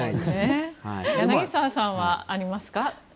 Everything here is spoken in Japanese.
柳澤さんはありますか？